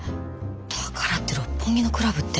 だからって六本木のクラブって。